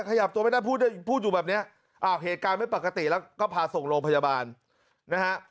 ขยับตัวไม่ได้พูดอยู่แบบเนี้ยอ้าวเหตุการณ์ไม่ปกติแล้วก็พาส่งโรงพยาบาลนะฮะ